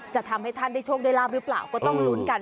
จะทำให้ท่านได้โชคได้ลาบหรือเปล่าก็ต้องลุ้นกัน